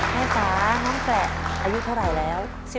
จ๋าน้องแกระอายุเท่าไหร่แล้ว